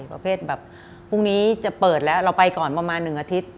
ประเภทแบบพรุ่งนี้จะเปิดแล้วเราไปก่อนประมาณ๑อาทิตย์